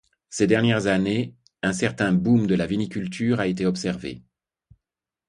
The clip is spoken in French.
Ces dernières années, un certain boom de la viniculture a été observé.